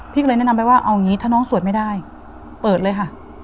พี่ก็เลยแนะนำไปว่าเอาอย่างนี้ถ้าน้องสวดไม่ได้เปิดเลยค่ะ